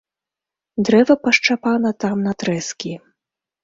Дрэва пашчапана там на трэскі.